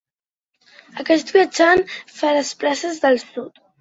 Aquest viatjant fa les places del sud.